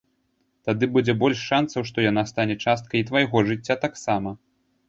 Тады будзе больш шанцаў, што яна стане часткай і твайго жыцця таксама.